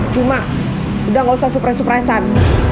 cuma udah gak usah surprise surprisean